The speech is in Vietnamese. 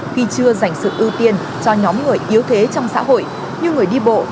khi chưa dành sự ưu tiên cho nhóm người yếu thế trong xã hội như người đi bộ